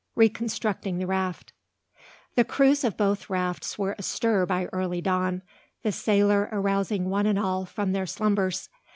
RECONSTRUCTING THE RAFT. The crews of both rafts were astir by early dawn, the sailor arousing one and all from their slumbers.